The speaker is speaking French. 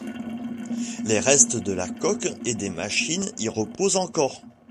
Les restes de la coque et des machines y reposent encore.